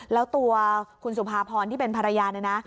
แล้วตัวคุณสุภาพรที่เป็นภรรยาเนี่ยนะ